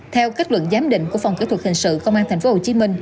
theo kết luận giám định của phòng kỹ thuật hình sự công an tp hcm